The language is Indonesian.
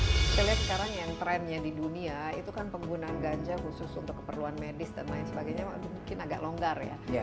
kita lihat sekarang yang trendnya di dunia itu kan penggunaan ganja khusus untuk keperluan medis dan lain sebagainya mungkin agak longgar ya